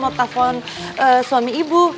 mau telfon suami ibu